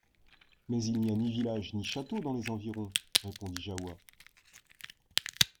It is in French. Mais il n'y a ni village ni château dans les environs ! répondit Jahoua.